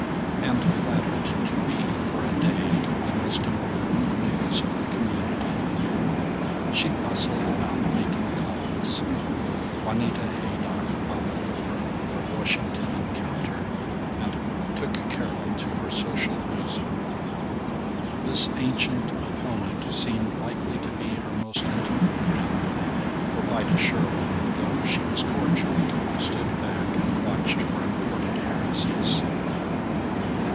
and flattered to be, for a day, the most important news of the community. She bustled about, making calls. Juanita Haydock bubbled over their Washington encounter, and took Carol to her social bosom. This ancient opponent seemed likely to be her most intimate friend, for Vida Sherwin, though she was cordial, stood back and watched for imported heresies.